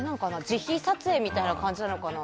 自費撮影な感じなのかな？